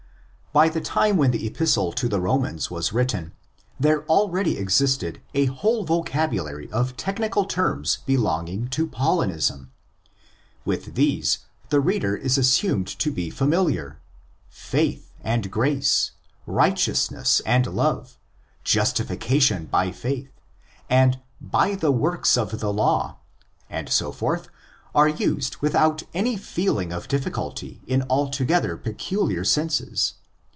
By the time when the Epistle to the Romans was written there already existed a whole vocabulary of technical terms belonging to Paulinism. With these the reader is assumed to be familiar. '' Faith" and grace," " righteousness " and 'love,' '' justification by faith" and '' by the works of the law,'' and so forth,' are used without any feeling of difficulty in altogether peculiar senses.